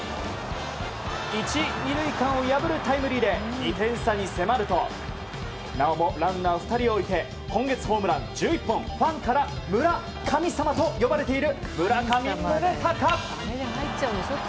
１、２塁間を破るタイムリーで２点差に迫るとなおもランナー２人置いて今月ホームラン１１本ファンから村神様と呼ばれている村上宗隆。